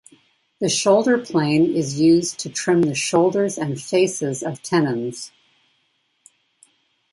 The shoulder plane is used to trim the shoulders and faces of tenons.